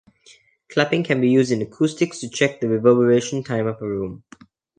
Clapping can be used in acoustics to check the reverberation time of a room.